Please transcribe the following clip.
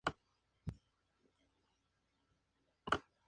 Fue elegido prior del monasterio de St.